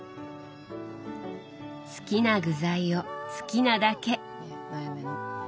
好きな具材を好きなだけ。